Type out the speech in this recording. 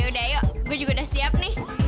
yaudah yuk gue juga udah siap nih